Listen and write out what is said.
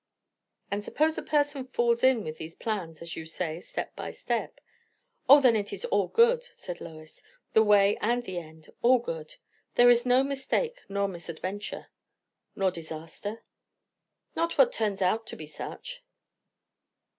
"And suppose a person falls in with these plans, as you say, step by step?" "O, then it is all good," said Lois; "the way and the end; all good. There is no mistake nor misadventure." "Nor disaster?" "Not what turns out to be such."